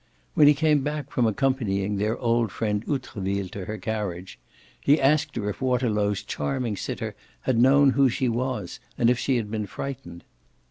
When he came back from accompanying their old friend Outreville to her carriage he asked her if Waterlow's charming sitter had known who she was and if she had been frightened.